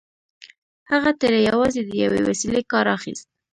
هغه ترې يوازې د يوې وسيلې کار اخيست.